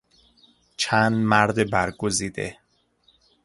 چند مرد برگزیده